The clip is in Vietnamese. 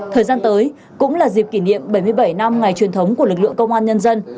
thời gian tới cũng là dịp kỷ niệm bảy mươi bảy năm ngày truyền thống của lực lượng công an nhân dân